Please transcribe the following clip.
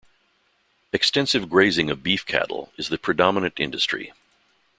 Extensive grazing of beef cattle is the predominant industry.